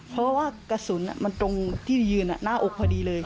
เพราะว่ากระสุนมันตรงที่ยืนหน้าอกพอดีเลย